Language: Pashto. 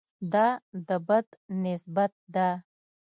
دا د بد نسبت ده.